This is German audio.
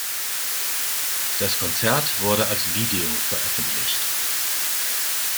Das Konzert wurde als Video veröffentlicht.